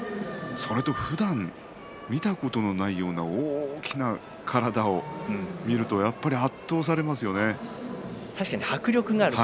ふだん見ることのないような大きな体を見ると確かに迫力がありますね。